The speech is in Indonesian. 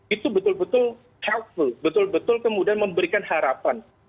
itu betul betul healthful betul betul kemudian memberikan harapan